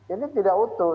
ini tidak utuh